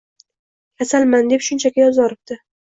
kasalman deb shunchaki yozvoribdi.